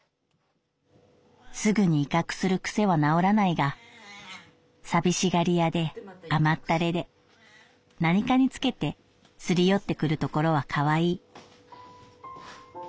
すぐに威嚇する癖は治らないが寂しがり屋で甘ったれで何かにつけてすり寄ってくるところは可愛い」。